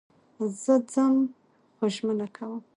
زه ځم خو ژمنه کوم